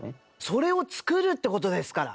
それを作るって事ですから。